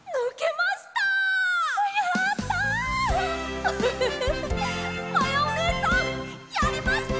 まやおねえさんやりました！